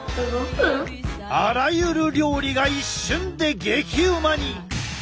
あらゆる料理が一瞬で激ウマに！